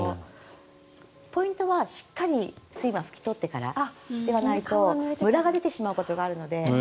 ポイントはしっかり水分を拭き取ってからじゃないとムラが出てしまうことがあるので。